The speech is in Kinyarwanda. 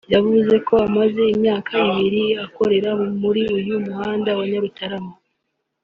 yavuze ko amaze imyaka ibiri akorera muri uyu muhanda wa Nyarutarama